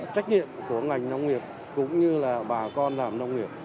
trách nhiệm của ngành nông nghiệp cũng như là bà con làm nông nghiệp